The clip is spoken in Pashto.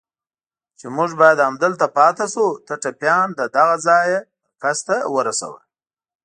چې موږ باید همدلته پاتې شو، ته ټپيان له دغه ځایه مرکز ته ورسوه.